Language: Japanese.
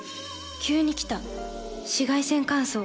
急に来た紫外線乾燥。